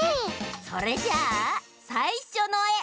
それじゃあさいしょのえ！